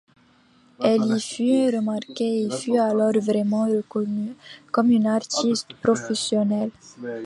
Elle y fut remarquée et fut alors vraiment reconnue comme une artiste professionnelle.